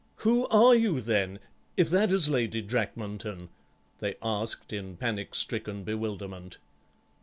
"Who are you, then, if that is Lady Drakmanton?" they asked in panic stricken bewilderment.